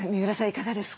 いかがですか？